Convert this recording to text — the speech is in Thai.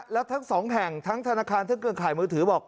แล้วทั้งสองแห่งทั้งธนาคารทั้งเครือข่ายมือถือบอก